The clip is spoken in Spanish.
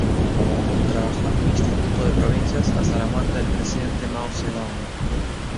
Trabajó en un instituto de provincias hasta la muerte del presidente Mao Zedong.